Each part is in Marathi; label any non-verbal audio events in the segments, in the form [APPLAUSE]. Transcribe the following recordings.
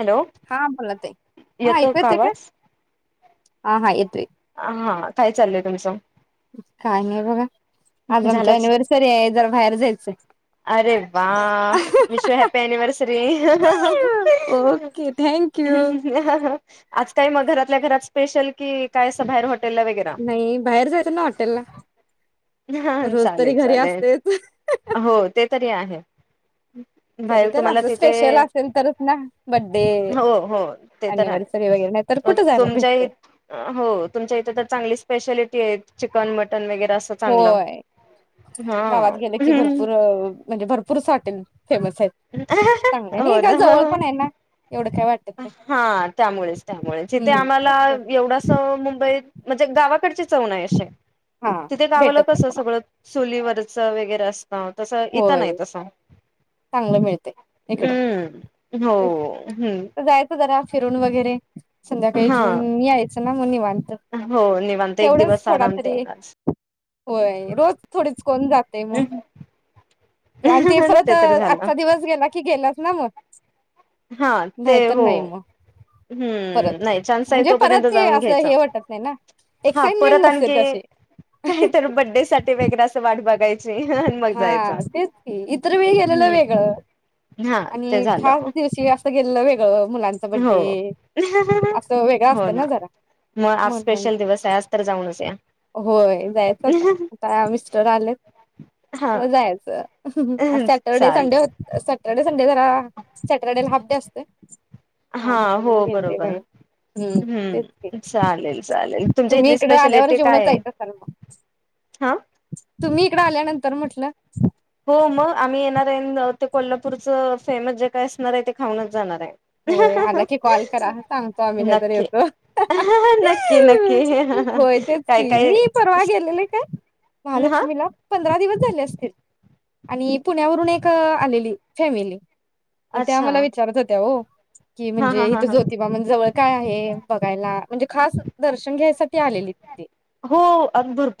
हॅलो, हा बोला ताई हा येतो ऐकू काय येतंय का? आवाज? हा, हा, येतोय. हां काय चाललंय तुमचं? काय नाही बगा आज आमची झालाच ॲनिव्हर्सरी आहे जरा बाहेर जायचंय अरे वा, विष यु हॅपी ॲनिव्हर्सरी हाह, हा, ह, हा ओके थँक यू. हम्म, हम्म, हा आज काय मग आ् घरातल्या घरात स्पेशल की काय असं बाहेर हो नाही बाहेर जायचं ना हॉटेलला, हा रोज तरी चालेल घरी चालेल असतोयच. हो ते आहेच. बाहेर तुम्हाला असं तिथे, स्पेशल असेल तरच ना बड्डे हो हो ते तर अनिव्हर्सरी वगैरे नाही तर हाय, कुठे जायला तुमच्या भेटतय इथ् हो तुमच्या इथे तर चांगली स्पेशलि् ते चिकन मटन वगै होय गावात हा गेलं की भरपूर म्हणजे भरपूर साठेल हं हं हो ना जवळ पण आहे ना. एवढं काय वाटत नाही हां त्यामुळेच त्यामुळेच जीथे हम्म आम्हाला तेच की. एवढंस मुंबईत म्हणजे गावाकडची च चव नाय. हा तिथे गावालं भेटत नाही कस कोणाला. सगळं चुलीवरचं वगैरे असं. हा तसं इथं होय नाही तसं. चांगलं मिळतय इकड, हम्म हो हम्म जायचं जरा फिरून वगैरे संध्याकाळी हा जेवून यायचं. म मी निवांत. हो निवांत एक तेवढंच दिवस थोडा आराम तरी तेव्हडाच. होय रोज थोडीच कोण जातय मग? अ हा हा. तर आजचा दिवस गेला की गेलाच ना मग. [INAUDIBLE] हा नाही ते तर हो. नाही मग परत नाही चान्स आहे म्हणजे परत तोपर्यंत ते जाऊन असं घ्यायचा, हे वाटत नाही ना हा परत एक्साइटमेंट नसते आणखी तशी काहीतर बडे्साठी वैगरे असं वा बघाय हा तेच की इतर वेळी गेलेलं हम्म वेगळं. हा ते आणि खास झालं दिवशीच गेलेल वेगळं. मुलांच हो बड्डे असं वेगळं असत ना जरा, मग आज म्हणून, स्पेशल दिवस आहे आज तर जाऊनच या होय जायचं आता आता मिस्टर आले हा अ जायचं सॅटरडे चाल संडे सा सॅटरडे संडे जरा, सॅटरडे ला हाफ डे असतोय. हा काम होतं हो म्हणून गेलते बरोबर, बाहेर हम्म तेच की हम् चालेल चालेल, तुमच्या तुम्ही इथली इकडं आल्यावर स्पेशलिटी जेवणात काय आहे? जायच असाल मग हा. तुम्ही इकड आल्यानंतर म्हटलं. हो मग आम्ही येणार आहे ते कोल्हापूरच फेमस जे काय असणार आहे ते खाऊनच जाणार आहे. होय आला की कॉल करा सांगतो आम्ही नंतर नक्की येतो. नक्की नक्की होय तेच काय की काय मी परवा गेलेले काय हा महालक्ष्मीला पंधरा दिवस झाले असतील आणि पुण्यावरून एक आलेली फॅमिली. त्या अच्छा मला विचारत होत्या हो. की हा हा म्हणजे हा इथं हा जोतिबानं जवळ काय आहे. बघायला. म्हणजे खास दर्शन घ्यायसाठी आलेलीत ती हो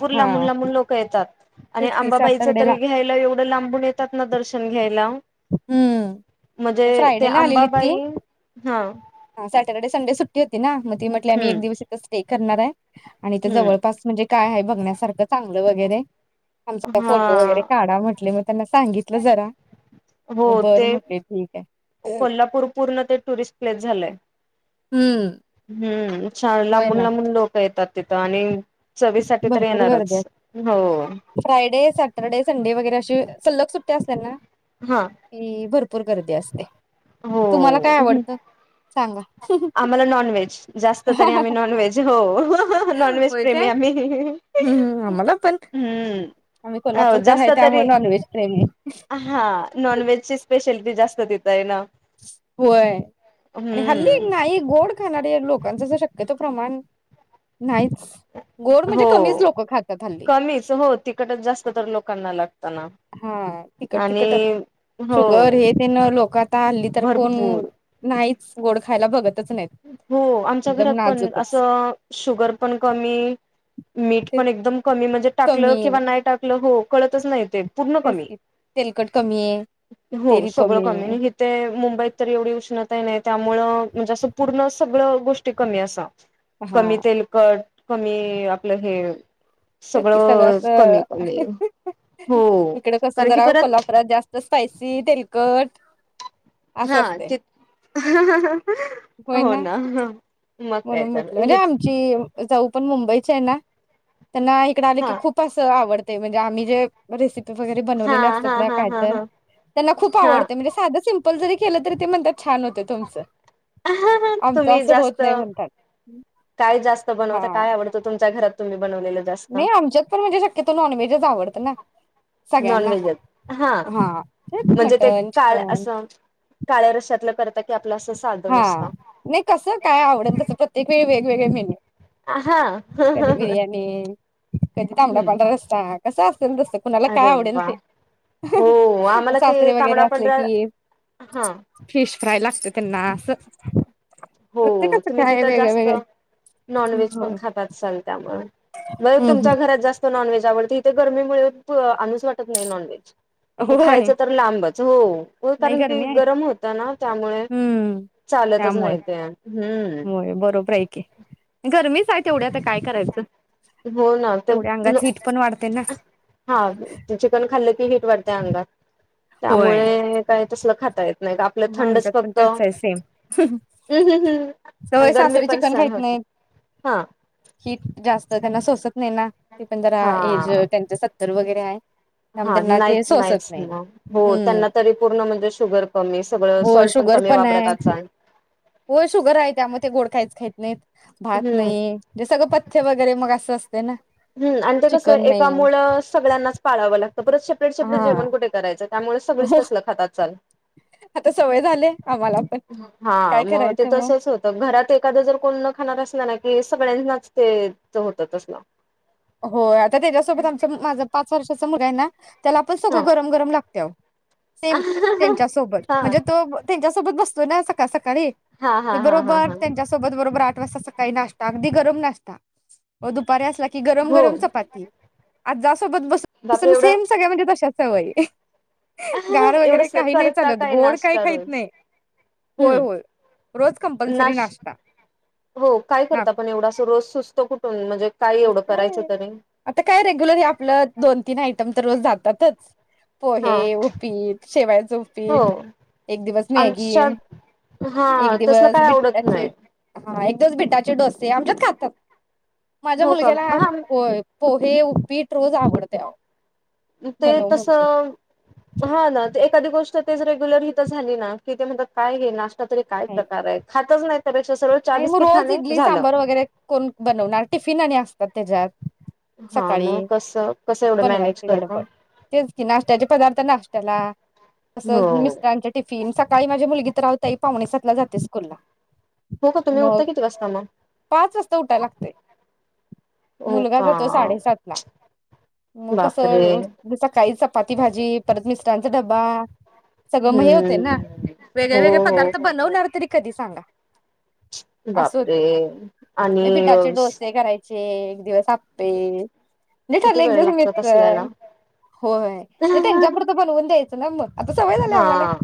हा लांबून हां. लांबून लोक येतात. आणि आंबाबाईच तरी घ्यायला एवढं लांबून येतात ना दर्शन घ्यायला. म्हणजे हम्म ते फ्रायडेला आलेली ती आंबाबाई हा सॅटरडे संडे सुट [UNINTELLIGIBLE] होती ना. म ती म्हटली आम्ही हम्म एक दिवस हितच ते करणार आहे. आणि ते हम्म जवळपास म्हणजे काय आहे बघ बघण्यासारख चांगलं वगैरे. आमचा हा फोटो वगैरे काढा म्हटले म त्यांना सांगितलं जरा. हो मग ते बरं म्हटले ठीक आहे कोल्हापूर पूर्ण ते टुरिस्ट प्लेस झालंय. हम्म हम्म छान होय लांबून ना लांबून लोक येतात तिथं आणि चवीसाठी तर भरपूर गर्दी्या येणारच. हो फ्रायडे, सॅटरडे, संडे वगैरे अशी सलग सुट्ट्या असल्याना हा की भरपूर गर्दी असते. हो तुम्हाला काय आवडतं सांगा आम्हाला नॉनव्हेज, जास्त तरी आम्ही नॉनव्हेज, हो नॉनव्हेज होय प्रेमी काय आम्ही. हम्म आम्हाला पण हम्म आम्ही हो कोल्हापूरकर जास्त आहे तरी त्यामुळे नॉनव्हेज प्रेमी. हा नॉनव्हेजची स्पेशालिटी जास्त देताय ना. होय आणि हल्ली हम्म नाही गोड खाणारी लोकांचा जरा शक्यतो प्रमाण नाहीच. गोड म्हणजे हो कमीच लोक खातात हल्ली कमीच हो तिकटच जास्त तर लोकांना लागत. हा तिकट तिकट हो शुगर हे ते न लोकांना हल्ली तर कोण भरपूर नाहीच गोड खायला बघत. हो आमच्या घरात पण अस शुगर पण कमी मीठ ते पण एकदम कमी म्हणजे टाकलं कमी किंवा आहे नाही टाकलं हो कळतच नाही ते पूर्ण तेच कमी की तेलकट कमी आहे हो तेल सगळ आहे कमी हीथे मुंबईत तर एवढी उष्णतायना त्यामुळे म्हणजे अस सगळं गोष्टी कमी असं. हा कमी तेलकट. कमी आपलं हे कि सगळं कमी कमी अस हो इकड कस कारण की जरा परत कोल्हापुरात जास्त स्पायसी, तेलकट असं हां असते त [UNINTELLIGIBLE] हो ना. मग काय म्हणून तर म्हटलं ही हे आमची जाऊ पण मुंबईत. ची आहेना. त्यांना इकड आले हा की खूप असं आवडत. ते म्हणजे आम्ही जे रेसि वगैरे हा बनवलेले असतात हा ना हा काय हा तर हा त्यांना खूप हा आवडते म्हणजे साध सींपल पण जरी केलं तरी ते म्हणत्यात छान होते तुमचं. आमच तुम्ही असं जास्त होत नाही म्हणतात. काय जास्त बनवता हा काय आवडत तुमच्या घरात तुम्ही बनवलेलं जास्त नाही आमच्यात पण म्हणजे शक्यतो नॉनव्हेजच आवडतं ना सगळ्यांना नॉनव्हेजच हा म्हणजे ते मटन का चिकन अस काळ आस काळ्या रश्यातल. करता की [UNINTELLIGIBLE] हा नाही कस काय आवडल तस प्रत्येक वेळी वेगवेगळे मिल हा कधी हम्म बिर्याणी. कधी तांबडा पांढरा रस्सा कसा. कुणाला काय अरे आवडेल वा ते हो आम्हाला ते सासरे वगैरे तांबडा असले पंढरा कि हा फिश फ्राय लागतात. त्यांना अस. हो तुम्ही तिथं जास्त नॉनव्हेज पण होय. खात अस्ताल त्यामुळे बर हम्म हम्म. तुमच्या घरात जास्त नॉनव्हेज आवडती इथे गरमीमुळे आनूच वाटत नाही नॉनव्हेज. होय खायचं तर लांबाच हो हो नाही कारण की गरमी आहे गरम होत ना त्यामुळे हम्म चालतच नाही. हम्म व्हय की, गरमीच आहे तेवढी आता काय करायचं. हो ना तर तेवढ्या अंगात हीट पण वाढते ना हा चिकन खाल्लं की वाडत अंगात होय त्यामुळे काय तसल खाताय? नाही आपलं मग थंडच आमच्यात पण फक्त, तसं आहे सेम हम्म हम्म हम्म सवय गरमी सासरे पण चिकन सन खायत होत नई. नाहीत हा तर त्यांना सोसत नाही ना, ते पण जरा एज हा त्यांच सत्तर वगैरे हाय. हा नाहीच नाहीच ना, हो हम्म त्यांना तरी पूर्ण म्हणजे शुगर कमी सगळं होय सॉल्ट शुगर कमी पण आहे. वापरतात होय शुगर आहे त्यामूळ ते गोड कायच खायत् नाहीत. भात हम्म नइ म्हणजे सगळं पथ्य वगैरे मग असं अस हम्म आणि ते कसं एका मुळ सगळ्यांनाच पाळावं लागतं. परत सेप्रेट सेप्रेट हा जेवण कुठं करायचं. त्यामुळ सगळीच हो तसलं खात असचाल. आता सवय झाले आम्हाला पण हा काय मग ते करायचं तसच होतं. घरात एखादं जर कोण न खाणार असल ना हे सगळ्यांनाच ते होत तसलं. होय आता त्याज्यासोबत आमच माझ पाच् वर्षाचा मुलगा आहेना त्याला पण हा सगळं गरम गरम लागतय आहो. हा सेम त्यांच्या सोबत, म्हणजे हा तो त्यांच्या सोबत बस बसतो ना सकासका काळी हा हा हा बरोबर हा त्यांच्या सोबत बरोबर आठ आठ वाजता सकाळी नाष्टा, अगदी गरम नाष्टा म दुपारी असला की कि गरम हो गरम चपाती. आजा आसू सोबत बसून बसून सेम सगळ्या म्हणजे तश्याच सवय. अ एवढ करता काय गोड काही नाश्ता खाहीत रोज? नाही होय होय रोज हम्म कंपल्सरी नाश नाश्ता हो काय करता नाश्ता पण एवढा रोज सुचतो कुठून म्हणजे काय एवढं करायचं तरी आता काय रेग्युलर आपलं दोन तीन आयटम तर रोज जातातच. हा पोहे, उपीट, शेवायचं हो उपीट, एक दिवस मॅगी, आमच्या एक हा तसलं दिवस काय आवडत बिट्टाचे नाही हा एकदाच बिटाचे डोसे आमच्यात खातात. माझ्या हो का मुलग्याला हा होय पो ते उपीट रोज आवडते आवो. ते तसं हा ना ते एखादी गोष्ट तेच रेग्युलर हित झाली ना की ते म्हणतात काय हे ना. तरी काय काही नाही. प्रकार आहे. [UNINTELLIGIBLE] चहा नाही मग बिस्किट रोज खाणे इडली झालं सांबर वगैरे कोण बनवणार टिफिन आणि असतात त्याच्यात. हा सकाळी, मग कसं कसं एवढं मॅनेज बनवायचे करता गडबड तेच कि नाशट्याचे पदार्थ नाशट्याला. अस हो मिस्टरांचे टिफिन स ताई माझी मुलगी तर आओ ताई पावणेसातला जाते स्कूल ला. हो का तुम्ही मग उठता किती वाजता मग पाच वाजता उठायला लागतय. हो मुलगा का जातो साडेसात ला मग बापरे कसं सकाळी चपाती भाजी परत मिस्टरांचा डबा सगळं मग हे होते ना हम्म वेगळे हो वेगळे हो पदार्थ हो हो बनवणार तरी कधी सांगा? असं बापरे होते आणि अं ते एक दिवस आप्पे नाही किती ठरलं एक वेळ दिवस मिच लागतो तसल्याला होय त्यांच्यापुरतं बनवून द्यायचं. न मग आता सवय झाली आम्हाला. हा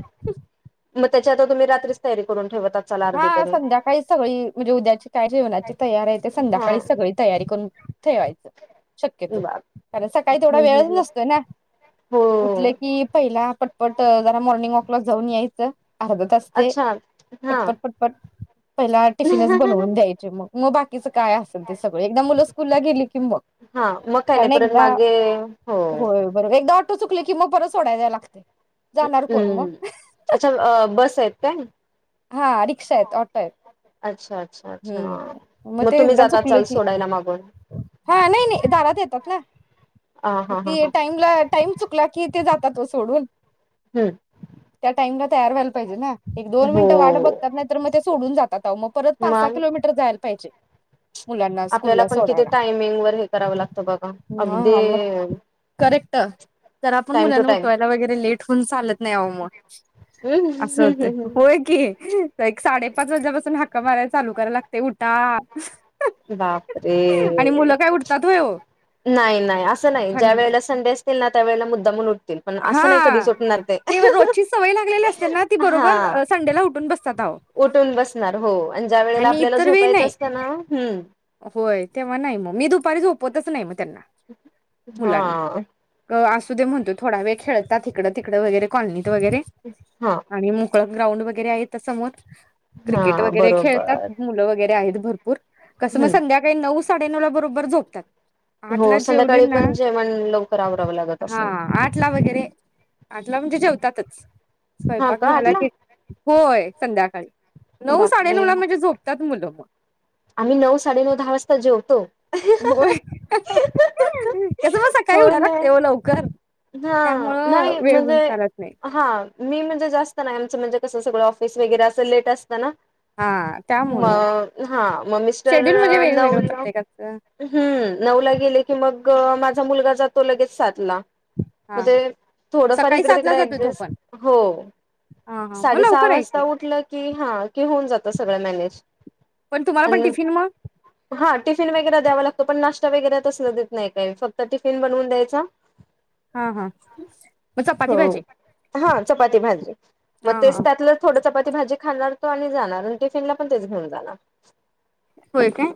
मग त्याची आता तुम्ही रात्रीच तयारी करून ठेवत असाल अर्धी हा तरी संध्याकाळी सगळी म्हणजे उद्याची काय जेवणाची तयारी हाय ते हा संध्याकाळी सगळी तयारी करून ठेवायचं शक्यतो बाप कारण सकाळी तेवढा हम्म वेळच हम्म हम्म नसतोय ना उठले हो की पहिला पटपट जरा मॉर्निंग वॉकला जाऊन यायच. अर्धच असतय. अच्छा हा पटपट पटपट पहिला टिफिनच बनवून द्यायचे मग मग बाकी काय असल ते सगळं एकदा मूल स्कूलला गेली की बघ हा मग काय नाही कारण परत एकदा मागे हो होय बरोबर एकदा चुकली मग परत सोडायला यायला लागते. जाणार कोण हम्म मग अच्छा अ बस आहेत काय? हा रिक्षा आहेत ऑटो आहेत अच्छा अच्छा अच्छा मग ते तुम्ही एकदा जाता चुकल चाल की सोडायला मागून हा नाही नाही दारात येतात ना ह हा हा ती ह टाईमला टाईम चुकला की तिथे जातात मग सोडून. हम्म टाइमलात तयार, व्हायला पाहिजे ना! एक दोन हो मिनिट. वाढ बघतात नाहीतर म ते सोडून जातात. परत पाच सहा मग किलोमीटर जायला पाहिजे मुलांना आपल्याला स्कूलला पण, किती सोडायला टायमिंग वर हे करावं लागतं बघा अगदी. ट तर आपण टाइम टू मुलांना, टाइम उठवायला वगैरे लेट खन्स आलेत. नाही आ ओ म असं होतय हम्म. होंय. [INAUDIBLE] एक साडेपाच, वाजल्यापासून हाक हाका, मारयला चालू कराय लागते उठा. बापरे आणि मुलं काय उठतात होय ओ नाई, नाई, असं नाई, ज्या थंड वेळेला संडे असतील ना त्यावेळेला मुद्दामून उठ- तील पण हा असं नाही कधीच उठणार ते, रोजची सवय लागलेली असते ना ती बरोबर हां संडेला उठून बसतात अहो उठून बसणार हो आणि ज्या वेळेला आणि आपल्याला इतर वेळी नाही झोपायचं असत नां होय, तेव्हा नाही म मी दुपारी झो- पतच नाही म. त्यांना हा मुलांना क आस. तु दे महणतोय. थोड वेळ खेळतात, हीकड तिकड वगैर कॉलनी- वगैरे हा आणि मोकळ. ग्राउंड, वगैरे आहे इथ समोर. क्रिकेट, हा वगैरे बरोबर खेळतात मुलं वगैरे आहेत. भरपूर कसं मग हम्म संध्याकाळी नऊ साडे नऊला बरोबर झोपतात. आठ हो ला जेवली संध्याकाळी, ना पण जेवण लवकर आवरावं लागत हा असेन. आठ ला वगैरे आठला म्हणजे जेवतातच. हा स्वयंपाक का झाला आठला कि होयं! संध्याकाळी नऊ बापरे साडेनऊ, ला म्हणजे झोपतात मुलं. आम्ही नऊ, साडेनऊ, दहा वाजता जेवतो. व्हय कसं पण सकाळी उठाय लागतयओ लवकर हां त्यामुळं नाही वेळ म्हणजे, होऊन चालत नाही. हां मी म्हणजे जास्त नाही आमचं म्हणजे ते कस सगळ ऑफिस वगैेर अस लेट अस तना. हा त्यामुळं मग हां मग मिस्टर शेड्यूल म्हणजे वेगवेगळं नऊला, प्रत्येकाचं. हम्म नऊला गेलेली मग मा मोठा मुलगा जातो लगेच सातला. हा मग हा ते थोडफार सकाळी इडक तिकड सातला जातोय तो एडजेस्ट, पण. हों हा हा मग साडेसहा लवकर आहे वाजता की. उठल की हा होऊन जात त सगळं मॅनेज. पण तुम्हाला पण आणि टिफिन मग? हां टिफिन वगैरे द्यावा लागतो पण नाश्ता वैगरे तस देत नाही काही फक्त टिफिन बनवून द्यायचा. हा हा मग हो चपाती भाजी. हा चपाती भाजी. मग हा हा तेच त्यातलं थोड चपाती भाजी खाणार तो आणि जाणार, टिफिन ला पण तेच घेऊन जाणार. होय काय?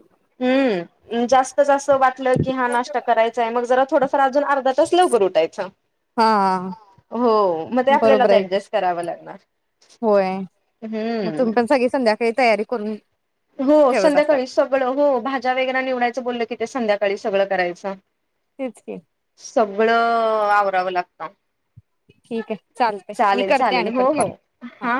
हम्म जास्त जास्त वाटलं की हा नाशा करायचाय, मग ज थोडंफार अजून आर्धा तास लवकर उठ यचं. हा हा, हो मग ते बरोबर आपल्यालाच आहे की. ऍडजस्ट कराव लागणार होय. मग तुम्ही हम्म. पण सगळी संध्याकाळी तयारी करून हो ठेवत असाल. संध्याकाळी सगळं हो, भाज्या वगैर निवडायचं बोललं कि ते संध्याकाळी काळी सगळं करायच. तेच की सगळं आवरावं लागत. हा ठीक आहे चालते. मी करते चालेल आणि हो परण हो कॉल हा.